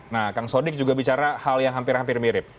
nah kang sodik juga bicara hal yang hampir hampir mirip